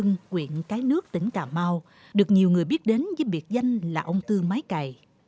ông hưng quyện cái nước tỉnh cà mau được nhiều người biết đến với biệt danh là ông tư máy cày